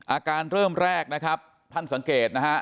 อาการเริ่มแรกนะครับท่านสังเกตนะฮะ